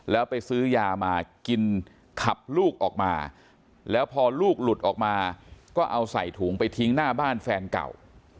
แล้วไปซื้อยามากินขับลูกออกมาแล้วพอลูกหลุดออกมาก็เอาใส่ถุงไปทิ้งหน้าบ้านแฟนเก่า